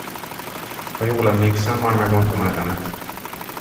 Ha jól emlékszem, már megmondtam a nevemet.